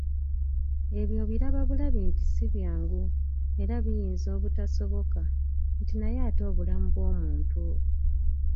Ebyo obiraba bulabi nti si byangu, era biyinza obutasoboka nti naye ate obulamu bw'omuntu?